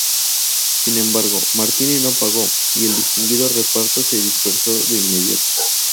Sin embargo, Martini no pagó y el distinguido reparto se dispersó de inmediato.